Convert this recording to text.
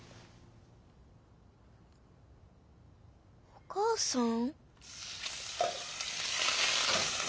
お母さん？